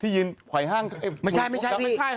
ที่ยืนไขว่ห้างไม่ใช่พี่